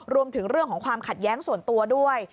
รวมถึงเรื่องของความขัดแย้งส่วนตัวด้วย